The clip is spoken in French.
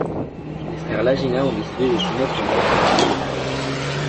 Les frères Lagina ont décidé de tout mettre en œuvre pour trouver le trésor.